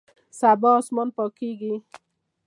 سبا اسمان پاکیږي